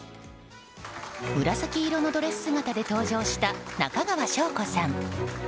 紫色のドレス姿で登場した中川翔子さん。